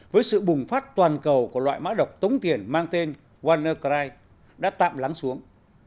với sự bùng phát toàn cầu của loại mã độc tống tiền mang tên waner crigh đã tạm lắng xuống